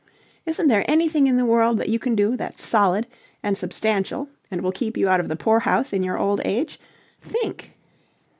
Isn't there anything in the world that you can do that's solid and substantial and will keep you out of the poor house in your old age? Think!"